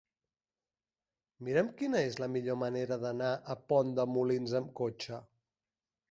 Mira'm quina és la millor manera d'anar a Pont de Molins amb cotxe.